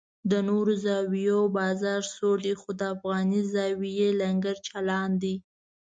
د نورو زاویو بازار سوړ دی خو د افغاني زاویې لنګر چالان دی.